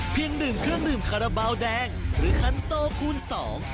ดื่มเครื่องดื่มคาราบาลแดงหรือคันโซคูณสอง